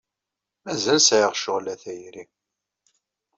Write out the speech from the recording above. Mazal sɛiɣ ccɣel, a tayri.